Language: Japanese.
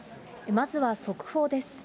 まずは速報です。